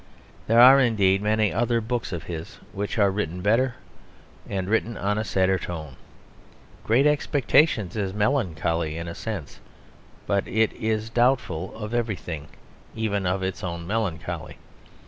There are indeed many other books of his which are written better and written in a sadder tone. Great Expectations is melancholy in a sense; but it is doubtful of everything, even of its own melancholy.